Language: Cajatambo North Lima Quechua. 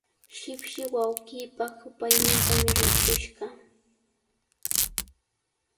Shipshi wawqiipa hupaynintami rirqush kaa.